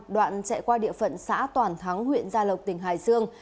đoạn chạy qua địa phận xã toàn thắng huyện gia lộc tỉnh hải dương